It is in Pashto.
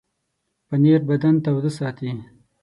پنېر بدن تاوده ساتي.